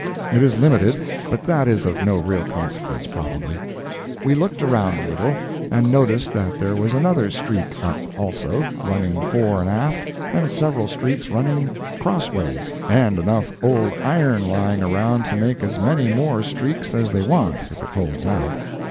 It is limited, but that is of no real consequence, probably. We looked around a little, and noticed that there was another streak up, also, running fore and aft, and several streaks running crossways, and enough old iron lying around to make as many more streaks as they want, if it holds out.